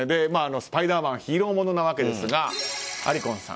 「スパイダーマン」はヒーローものなわけですがありこんさん